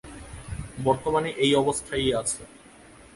বর্তমানে এই অবস্থায়ই আছে।